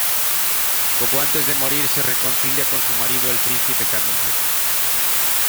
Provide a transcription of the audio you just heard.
Poco antes de morir, se reconcilia con su marido, el príncipe Camillo.